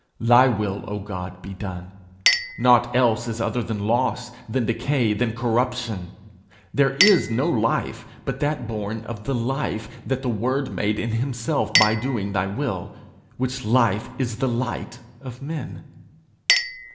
Thy will, O God, be done! Nought else is other than loss, than decay, than corruption. There is no life but that born of the life that the Word made in himself by doing thy will, which life is the light of men.